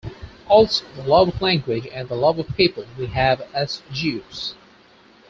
Also, the love of language and the love of people we have as Jews.